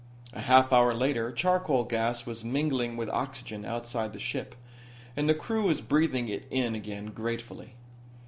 A half hour later charcoal gas was mingling with oxygen outside the ship, and the crew was breathing it in again gratefully.